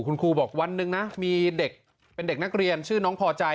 คุณครูบอกวันหนึ่งนะมีเด็กเป็นเด็กนักเรียนชื่อน้องพอใจ